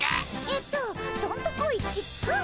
えっと「どんとこいちっくん」。